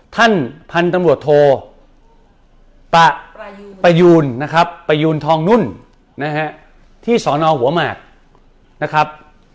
ท่านพันธุ์ตำรวจโทรประยูนทองนุ่นที่สอนอาหัวหมากนะครับ